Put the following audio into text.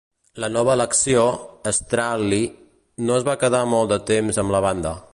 La nova elecció, Strahli, no es va quedar molt de temps amb la banda.